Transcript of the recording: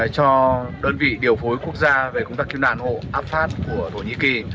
cho đơn vị điều phối quốc gia về công tác kiếm đàn hộ apfat của thổ nhĩ kỳ